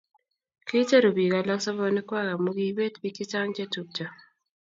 kiicheru biik alak sobonwekwak amu kiibet biik che chang' che tupcho